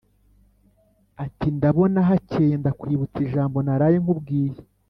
Ati: ndabona hakeyeNdakwibutsa ijamboNaraye nkubwiye